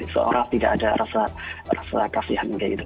seorang tidak ada rasa kasihan